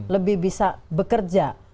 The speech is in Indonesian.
lebih bisa bekerja